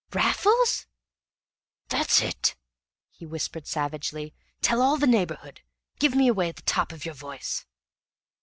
"Raffles!" "That's it," he whispered savagely; "tell all the neighborhood give me away at the top of your voice!"